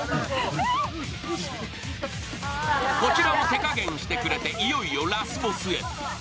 こちらも手加減してくれて、いよいよラスボスへ。